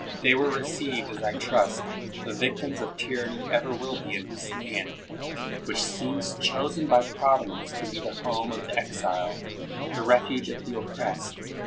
They were received as I trust the victims of tyranny ever will be in this land, which seems chosen by Providence to be the home of the exile, the refuge of the oppressed.